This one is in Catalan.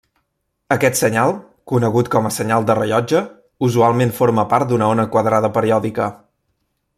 Aquest senyal, conegut com a senyal de rellotge, usualment forma part d'una ona quadrada periòdica.